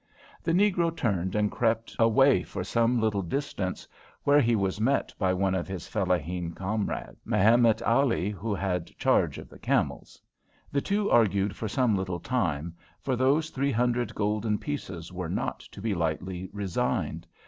The negro turned and crept away for some little distance, where he was met by one of his fellaheen comrades, Mehemet Ali, who had charge of the camels. The two argued for some little time, for those three hundred golden pieces were not to be lightly resigned.